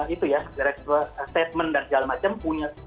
itu ya statement dan segala macam punya